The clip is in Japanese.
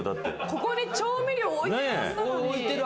ここに調味料置いてるはずなのに。